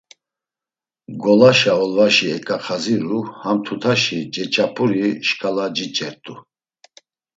Ngolaşa olvaşi eǩaxaziru, ham tutaşi ceç̌apuri şǩala ciç̌ert̆u.